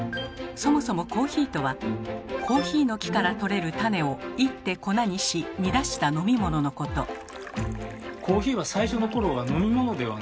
そもそもコーヒーとはコーヒーの木からとれる種を煎って粉にし煮出した飲み物のこと。